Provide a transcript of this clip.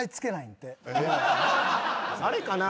あれかな？